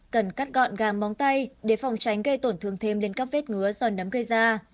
cần cắt gọn gàng bóng tay để phòng tránh gây tổn thương thêm lên các vết ngứa do nấm gây ra